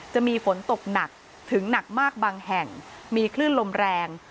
จะมีฝนตกหนักถึงหนักมากบางแห่งมีคลื่นลมแรง